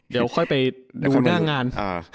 เดี๋ยวค่อยไปดูหน้างาน